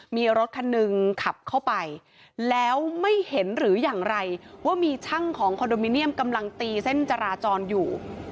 มีรถคันหนึ่งขับเข้าไปแล้วไม่เห็นหรืออย่างไรว่ามีช่างของคอนโดมิเนียมกำลังตีเส้นจราจรอยู่